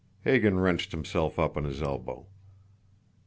Hagan wrenched himself up on his elbow.